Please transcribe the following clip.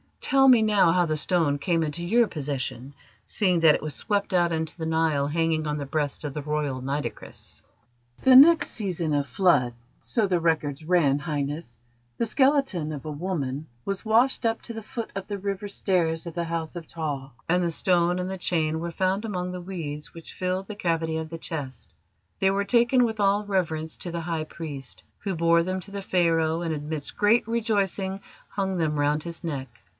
Tell me now how the stone came into your possession, seeing that it was swept out into the Nile hanging on the breast of the Royal Nitocris." "The next season of Flood, so the records ran, Highness, the skeleton of a woman was washed up to the foot of the river stairs of the House of Ptah, and the stone and chain were found among the weeds which filled the cavity of the chest. They were taken with all reverence to the High Priest, who bore them to the Pharaoh, and, amidst great rejoicing, hung them round his neck.